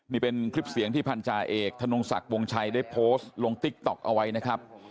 นี่เป็นคลิปเสียงที่พันธาเอกธนงศักดิ์วงชัยได้โพสต์ลงติ๊กต๊อกเอาไว้นะครับ